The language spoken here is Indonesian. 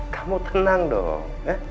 kamu tenang dong